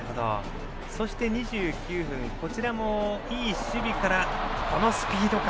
そして２９分いい守備からこのスピード感。